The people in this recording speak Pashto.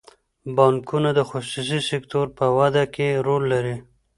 بانکونه د خصوصي سکتور په وده کې رول لري.